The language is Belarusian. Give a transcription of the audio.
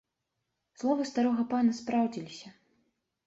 Словы старога пана спраўдзіліся.